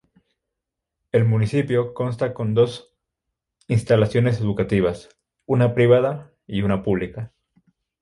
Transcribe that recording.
El municipio cuenta con dos instituciones educativas, una privada y una pública.